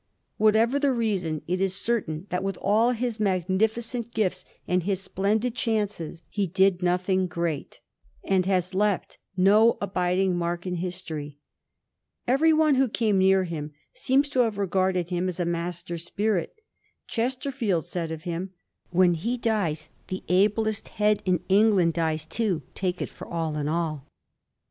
Whatever the reason, it is certain that, with all his magnificent gifts and his splendid chances, he did no thing great, and has left no abiding mark in history. Everyone who came near him seems to have regarded his as a master spirit. Chesterfield said of him, * When he dies the ablest head in England dies too, take it for all in all.'